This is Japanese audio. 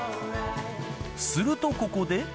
するとここで。